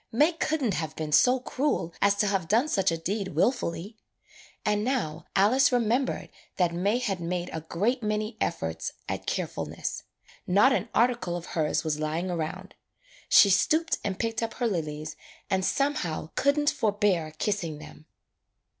May could n't have been so cruel as to have done such a deed wilfully. And now Alice remem bered that May had made a great many efforts at carefulness. Not an article of her's was lying round. She stooped and picked up her lilies and somehow could n't forbear kissing them.